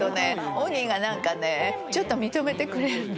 オギがなんかねちょっと認めてくれるの」